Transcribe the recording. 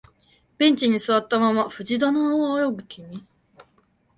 ベンチに座ったまま藤棚を仰ぐ君、